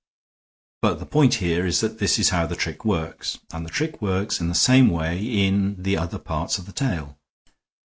But the point here is that this is how the trick works, and the trick works in the same way in the other part of the tale.